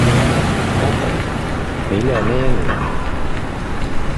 Xaṭi, deg leɛnaya-nwen!